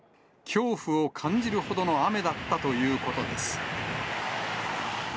恐怖を感じるほどの雨だったということです。